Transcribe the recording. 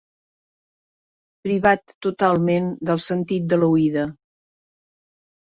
Privat totalment del sentit de l'oïda.